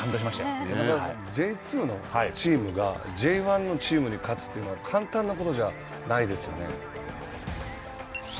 中澤さん、Ｊ２のチームがＪ１のチームに勝つというのは簡単なことじゃないですよね。